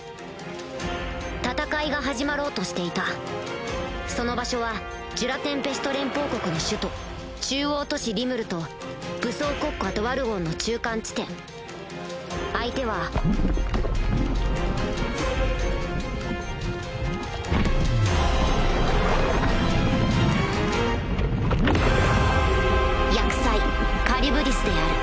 戦いが始まろうとしていたその場所はジュラ・テンペスト連邦国の首都中央都市リムルと武装国家ドワルゴンの中間地点相手は厄災暴風大妖渦である